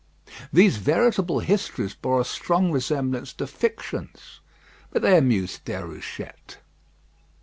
These veritable histories bore a strong resemblance to fictions; but they amused Déruchette.